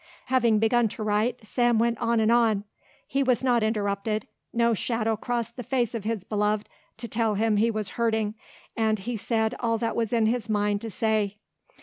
Having begun to write Sam went on and on. He was not interrupted, no shadow crossed the face of his beloved to tell him he was hurting and he said all that was in his mind to say.